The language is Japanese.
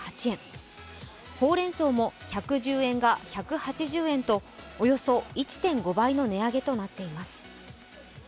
ほうれんそうも１１０円が１８０円とおよそ１．５倍の値上げとなっています。